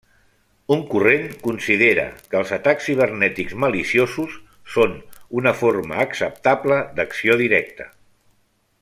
Un corrent considera que els atacs cibernètics maliciosos són una forma acceptable d'acció directa.